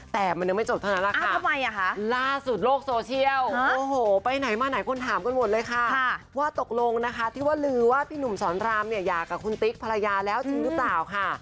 แต่มันยังไม่จบเท่านั้นแหละค่ะล่าสุดโลกโซเชียลโอ้โหไปไหนมาไหนคนถามกันหมดเลยค่ะว่าตกลงนะคะที่ว่าลือว่าพี่หนุ่มสอนรามเนี่ยอยากกับคุณติ๊กภรรยาแล้วจริงหรือเปล่าค่ะ